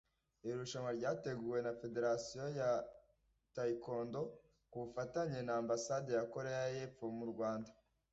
Iri rushanwa ryateguwe na Federasiyo ya Taekwondo ku bufatanye n’ Ambasade ya Korea y’Epfo mu Rwanda